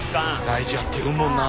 大事やって言うもんな。